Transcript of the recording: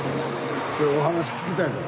お話聞きたいから。